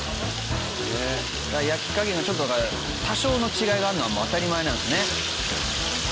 焼き加減がちょっとだから多少の違いがあるのは当たり前なんですね。